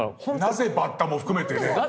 なぜバッタも含めて。